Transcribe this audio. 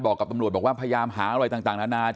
กับตำรวจบอกว่าพยายามหาอะไรต่างนานา